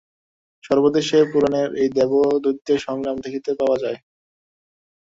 সর্বদেশের পুরাণেই এই দেব-দৈত্যের সংগ্রাম দেখিতে পাওয়া যায়।